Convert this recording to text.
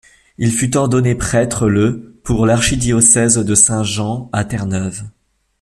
Il fut ordonné prêtre le pour l'archidiocèse de Saint-Jean à Terre-Neuve.